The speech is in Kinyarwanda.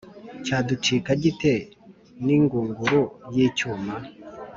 cyacudika gite n’ingunguru y’icyuma?